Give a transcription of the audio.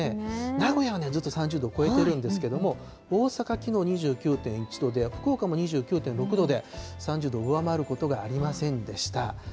名古屋はずっと３０度を超えているんですけれども、大阪、きのう２９．１度で、福岡も２９．６度で、３０度を上回ることがありませんでした。